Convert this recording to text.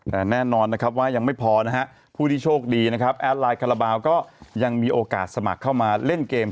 แต่แน่นอนนะครับว่ายังไม่พอนะฮะผู้ที่โชคดีนะครับแอดไลน์คาราบาลก็ยังมีโอกาสสมัครเข้ามาเล่นเกม